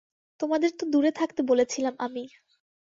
তোমাদের তো দূরে থাকতে বলেছিলাম আমি।